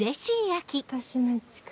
私の力。